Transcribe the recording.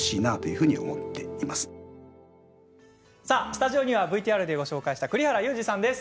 スタジオにはＶＴＲでご紹介した栗原祐司さんです。